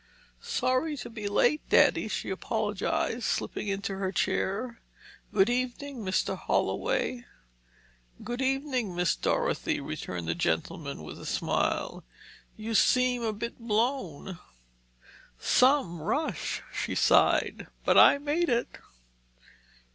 "Sorry to be late, Daddy," she apologized, slipping into her chair. "Good evening, Mr. Holloway." "Good evening, Miss Dorothy," returned the gentleman with a smile. "You seem a bit blown." "Some rush!" she sighed, "but I made it!"